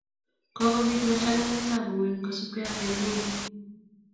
kakopit ng'ashakatabkweny kosupngéi ak Elnin